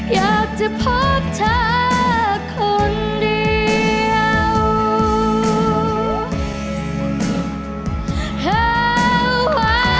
อยากจะพบเธอคนเดียว